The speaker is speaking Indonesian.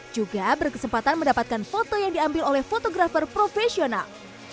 juga berkesempatan mendapatkan foto yang diambil oleh fotografer profesional